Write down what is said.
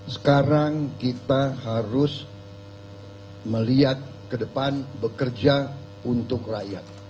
sekarang kita harus melihat ke depan bekerja untuk rakyat